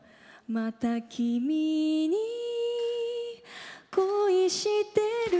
「また君に恋してる」